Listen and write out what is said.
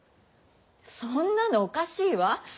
そんなのおかしいわ。